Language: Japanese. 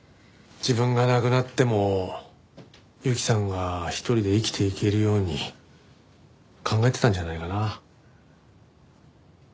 自分が亡くなっても雪さんが一人で生きていけるように考えてたんじゃないかな。